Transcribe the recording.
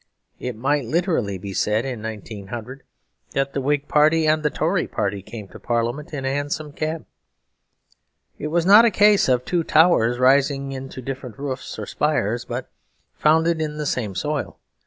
It might literally be said in 1900 that the Whig Party and the Tory Party came to Parliament in a hansom cab. It was not a case of two towers rising into different roofs or spires, but founded in the same soil.